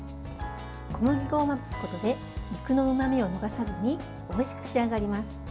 小麦粉をまぶすことで肉のうまみを逃さずにおいしく仕上がります。